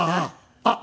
あっ